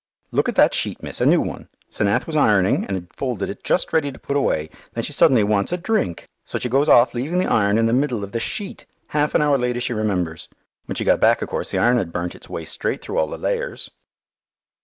"Look at that sheet, miss, a new one. 'Senath was ironing, and had folded it just ready to put away. Then she suddenly wants a drink, so she goes off leaving the iron in the middle of the sheet. Half an hour later she remembers. When she got back, of course the iron had burnt its way straight through all the layers."